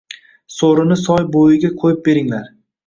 – So’rini soy buyiga kuyib beringlar